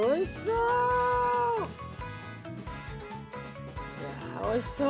うわおいしそう。